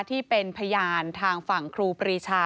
ที่เป็นพยานทางฝั่งครูปรีชา